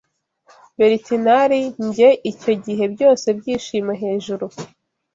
belitinari Njye icyo gihe byose byishimo hejuru!